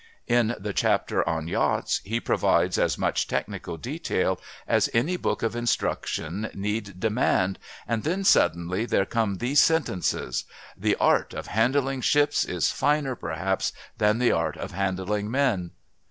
In the chapter on "Yachts" he provides as much technical detail as any book of instruction need demand and then suddenly there come these sentences "the art of handling ships is finer, perhaps, than the art of handling men."...